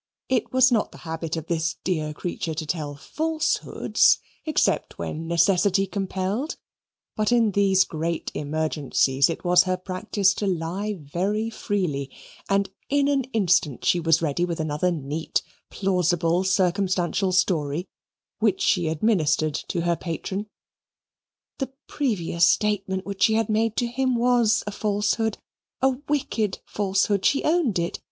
It was not the habit of this dear creature to tell falsehoods, except when necessity compelled, but in these great emergencies it was her practice to lie very freely; and in an instant she was ready with another neat plausible circumstantial story which she administered to her patron. The previous statement which she had made to him was a falsehood a wicked falsehood she owned it.